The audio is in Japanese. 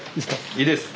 いいですか？